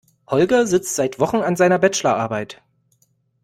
Holger sitzt seit Wochen an seiner Bachelorarbeit.